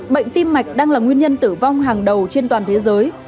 bệnh tim mạch đang là nguyên nhân tử vong hàng đầu trên toàn thế giới